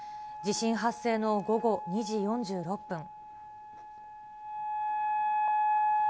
地震発生の午後２時４６分。